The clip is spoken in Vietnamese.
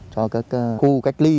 cho các khu cách ly